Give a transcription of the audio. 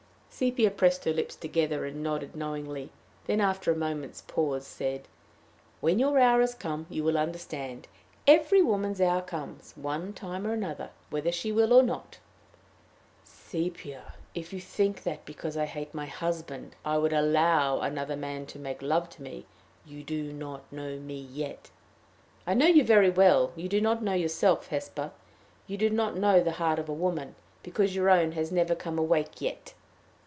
Sepia pressed her lips together, and nodded knowingly; then, after a moment's pause, said: "When your hour is come, you will understand. Every woman's hour comes, one time or another whether she will or not." "Sepia, if you think that, because I hate my husband, I would allow another man to make love to me, you do not know me yet." "I know you very well; you do not know yourself, Hesper; you do not know the heart of a woman because your own has never come awake yet."